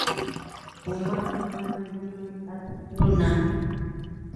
Amuqa mana rimay atiq runam.